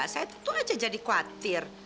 saya tentu saja jadi khawatir